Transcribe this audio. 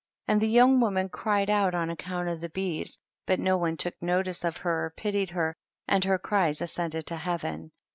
43. And the young woman cried out on acconnt of the bees, but no one took notice of her or pitied her, and her cries ascended to heaven.